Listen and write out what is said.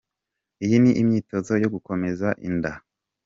Iyi ni imyitozo yo gukomeza inda.